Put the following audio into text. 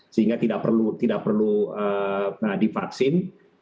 sehingga tidak perlu divaksin